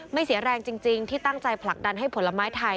เสียแรงจริงที่ตั้งใจผลักดันให้ผลไม้ไทย